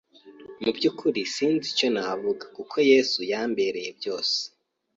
Mu byukuri sinzi icyo navuga kuko Yesu yambereye byose